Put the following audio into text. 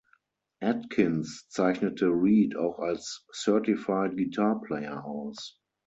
Atkins zeichnete Reed auch als „Certified Guitar Player“ aus.